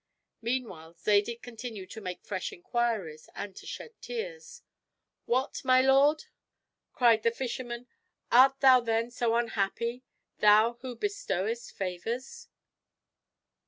Meanwhile, Zadig continued to make fresh inquiries, and to shed tears. "What, my lord!" cried the fisherman, "art thou then so unhappy, thou who bestowest favors?"